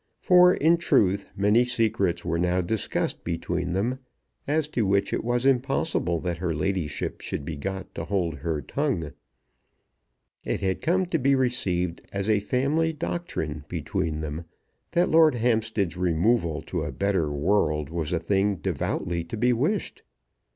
For, in truth, many secrets were now discussed between them, as to which it was impossible that her ladyship should be got to hold her tongue. It had come to be received as a family doctrine between them that Lord Hampstead's removal to a better world was a thing devoutly to be wished.